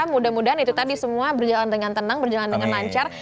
mudah mudahan itu tadi semua berjalan dengan tenang berjalan dengan lancar